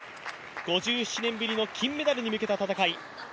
勝てば金メダル、５７年ぶりの金メダルに向けた戦い。